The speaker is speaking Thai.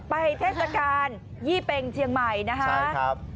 เทศกาลยี่เป็งเชียงใหม่นะครับ